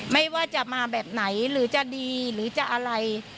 ไม่ว่าจะมาแบบไหนหรือจะดีหรือจะอะไร